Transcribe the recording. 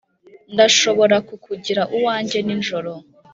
ndashobora kukugira uwanjye nijoro